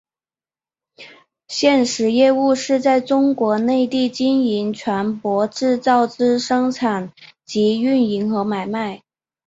现时业务是在中国内地经营船舶制造之生产及营运和买卖。